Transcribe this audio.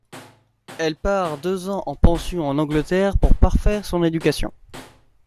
Elle part deux ans en pension en Angleterre pour parfaire son éducation.